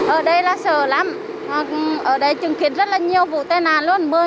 ở đây là sợ lắm ở đây chứng kiến rất là nhiều vụ tai nạn luôn